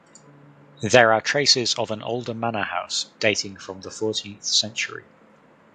There are traces of an older manor house dating from the fourteenth century.